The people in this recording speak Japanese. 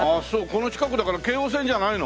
この近くだから京王線じゃないの？